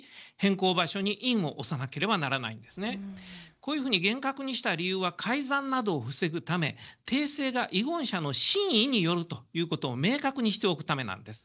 こういうふうに厳格にした理由は改ざんなどを防ぐため訂正が遺言者の真意によるということを明確にしておくためなんです。